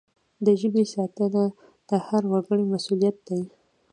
د ژبي ساتنه د هر وګړي مسؤلیت دی.